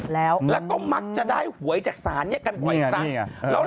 แล้วก็มักจะได้หวยจากสารนี้กันกว่าอีกครั้ง